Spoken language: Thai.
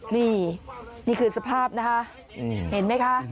นี่นี่คือสภาพนะคะเห็นไหมคะ